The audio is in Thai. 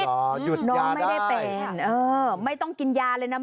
หยุดยาได้ค่ะน้องไม่ได้เป็นไม่ต้องกินยาเลยนะแม่